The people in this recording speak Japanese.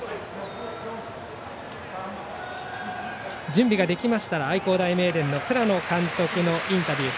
準備ができましたら愛工大名電の倉野監督のインタビュー